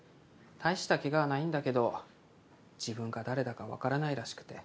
大した怪我はないんだけど自分が誰だかわからないらしくて。